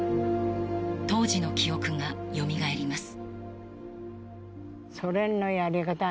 当時の記憶がよみがえります。